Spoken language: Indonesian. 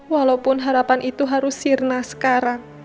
walaupun harapan itu harus sirna sekarang